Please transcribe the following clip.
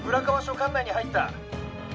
管内に入った。